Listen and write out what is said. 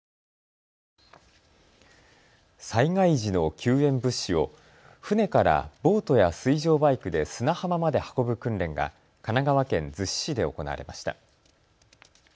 災害時の救援物資を船からボートや水上バイクで砂浜まで運ぶ訓練が神奈川県逗子市で行われました。